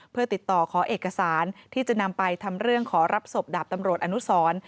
เพื่อติดต่อขอเอกสารที่จะนำไปทำเรื่องขอรับศพดาบตำรวจอนุสร